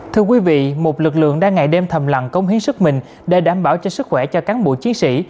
thưa quý vị một lực lượng đang ngày đêm thầm lặng công hiến sức mình để đảm bảo cho sức khỏe cho cán bộ chiến sĩ